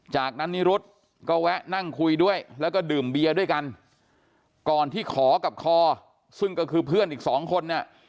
จากนั้นนิรุธก็แวะนั่งคุยด้วยแล้วก็ดื่มเบียร์ด้วยกันก่อนที่ขอกับคอซึ่งก็คือเพื่อนอีกสองคนเนี่ย